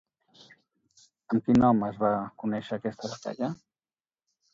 Amb quin nom es va conèixer aquesta batalla?